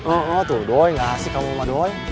oh oh tuh doi gak asik kamu sama doi